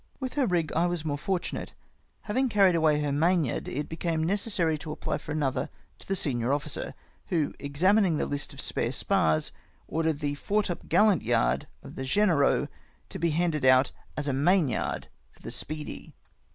With her rig I was more fortunate. Having carried away her mainyard, it became necessary to apply for another to the senior officer, who, examining the list of spare spars, ordered the foretopgallant yard of the Genereux to be hauled out as a mainyard for the Speedy